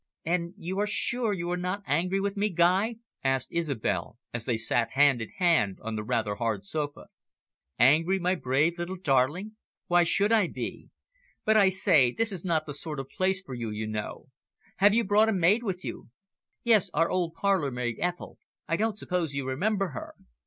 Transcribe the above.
"And you are sure you are not angry with me, Guy?" asked Isobel, as they sat hand in hand on the rather hard sofa. "Angry, my brave little darling. Why should I be? But I say, this is not the sort of place for you, you know. Have you brought a maid with you?" "Yes, our old parlourmaid, Ethel. I don't suppose you remember her."